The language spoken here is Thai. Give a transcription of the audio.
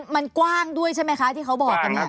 มันกว้างด้วยใช่ไหมคะที่เขาบอกกันเนี่ย